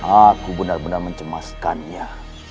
aku benar benar mencemaskannya